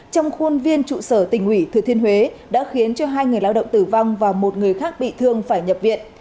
trong khuôn viên trụ sở tỉnh ủy thừa thiên huế đã khiến hai người lao động tử vong và một người khác bị thương phải nhập viện